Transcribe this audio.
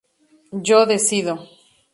Yo decido.